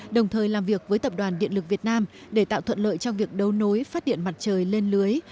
đồng thời làm việc với tập đoàn điện lực việt nam để tạo thuận lợi trong việc đấu nối phát điện mặt trời lên lưới